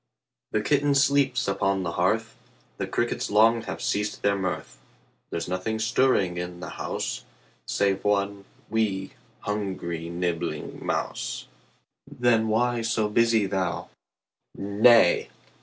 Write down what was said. The kitten sleeps upon the hearth, The crickets long have ceased their mirth; There's nothing stirring in the house Save one 'wee', hungry, nibbling mouse, Then why so busy thou? 10 Nay!